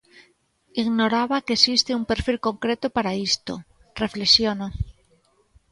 "Ignoraba que existe un perfil concreto para isto", reflexiona.